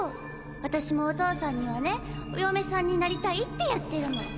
私もお父さんにはね「お嫁さんになりたい」ってゆってるもん。